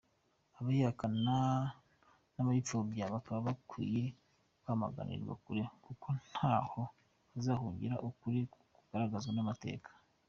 Abayihakana n’abayipfobya bakaba bakwiye kwamaganirwa kure, kuko ntaho bazahungira ukuri kugaragazwa n’amateka.